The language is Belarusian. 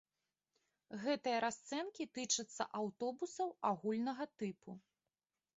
Гэтыя расцэнкі тычацца аўтобусаў агульнага тыпу.